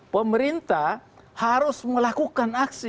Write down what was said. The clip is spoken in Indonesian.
pemerintah harus melakukan aksi